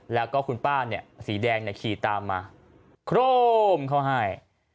แล้วก็คุณป้าเนี่ยสีแดงขี่ตามมาโครมเขาให้